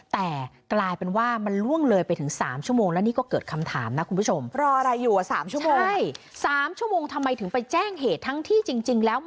แต่กลายเป็นว่ามันล่วงเลยไปถึง๓ชั่วโมงแล้วนี่ก็เกิดคำถามนะคุณผู้ชม